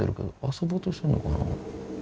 遊ぼうとしてんのかな？